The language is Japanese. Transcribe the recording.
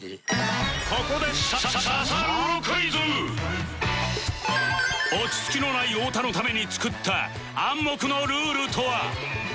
ここで落ち着きのない太田のために作った暗黙のルールとは？